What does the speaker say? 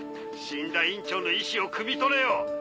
死んだ院長の意思をくみ取れよ。